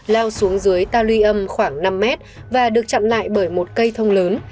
lao xuống dưới taluy âm khoảng năm m và được chặn lại bởi một cây thông lớn